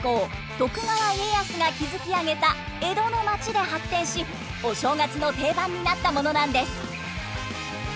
徳川家康が築き上げた江戸の街で発展しお正月の定番になったものなんです。